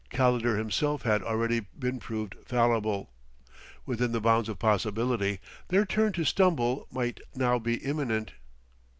Calendar himself had already been proved fallible. Within the bounds of possibility, their turn to stumble might now be imminent.